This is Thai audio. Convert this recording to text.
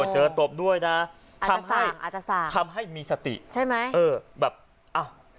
เจอตบด้วยนะอาจจะสามารถทำให้มีสติใช่ไหมเออแบบอ้าว